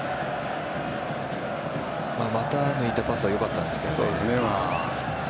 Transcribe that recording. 股を抜いたパスはよかったんですけどね。